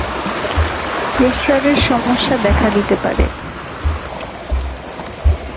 প্রস্রাবের সমস্যা দেখা দিতে পারে।